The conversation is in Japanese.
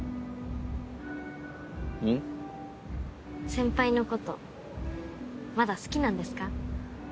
先輩のことまだ好きなんですか？